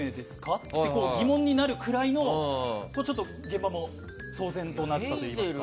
って疑問になるくらい現場も騒然となったといいますか。